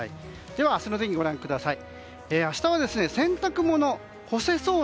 では明日の天気をご覧ください。